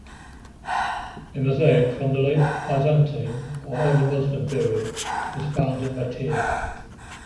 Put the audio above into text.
A mosaic from the late Byzantine or early Muslim period was found in Battir.